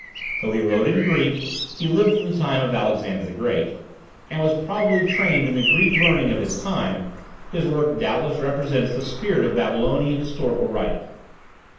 Though he wrote in Greek (he lived in the time of Alexander the Great), and was probably trained in the Greek learning of his time, his work doubtless represents the spirit of Babylonian historical writing.